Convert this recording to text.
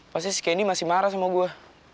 pasti si kenny masih marah sama gue